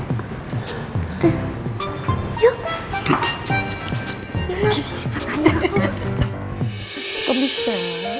gak boleh sakit ya